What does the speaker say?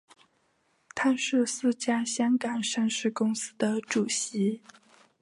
他是四家香港上市公司的主席。